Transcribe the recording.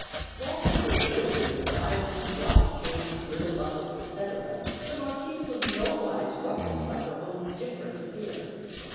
Whilst they were glittering with diamonds, watch chains, girdle buckles, etc., the Marquise was nowise ruffled by her own different appearance.